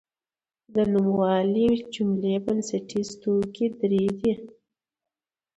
د نوموالي جملې بنسټیز توکي درې دي.